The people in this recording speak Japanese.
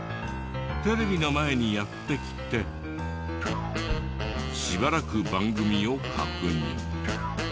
テレビの前にやって来てしばらく番組を確認。